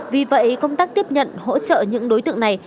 vì vậy công tác tiếp nhận hỗ trợ những đối tượng này